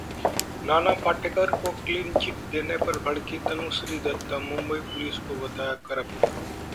नाना पाटेकर को क्लीनचिट देने पर भड़कीं तनुश्री दत्ता, मुंबई पुलिस को बताया करप्ट